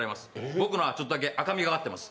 僕のはちょっとだけ赤みがあります。